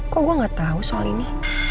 kok gue gak tau soal ini